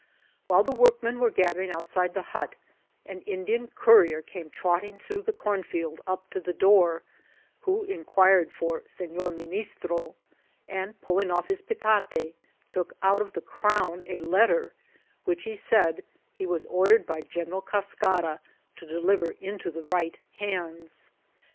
While the workmen were gathering outside the but, an Indian courier came trotting through the cornfield up to the door, who inquired for Sefior Ministro; and pulling off his petate, took out of the crown a letter, which he said he was ordered by Gen eral Ca»cara to deliver into the right hands.